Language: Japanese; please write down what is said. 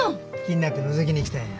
気になってのぞきに来たよ。